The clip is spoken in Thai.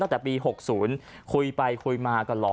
ตั้งแต่ปี๖๐คุยไปคุยมาก็รอ